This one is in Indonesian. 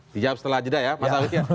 dijawab setelah jeda ya mas awit ya